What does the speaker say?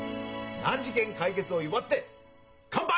難事件解決を祝っで乾杯！